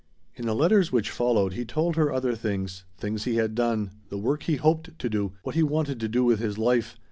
In the letters which followed he told her other things, things he had done, the work he hoped to do, what he wanted to do with his life.